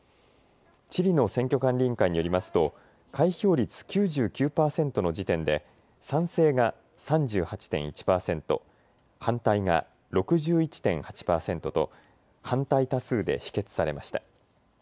チリの選挙管理委員会によりますと開票率９９％の時点で賛成が３８．１％、反対が６１．８％と反対多数で否決されました。